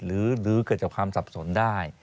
หรือเกิดจากความสับสนได้